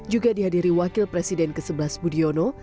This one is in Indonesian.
juga dihadiri wakil presiden ke sebelas budiono